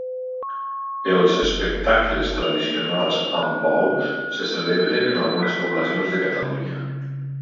Els espectacles tradicionals amb bous se celebren en algunes poblacions de Catalunya.